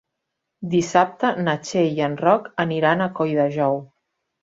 Dissabte na Txell i en Roc aniran a Colldejou.